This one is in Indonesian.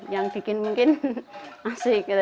yang bikin mungkin asik